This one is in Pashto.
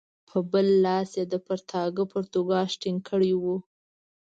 په بل لاس یې د پرتاګه پرتوګاښ ټینګ کړی وو.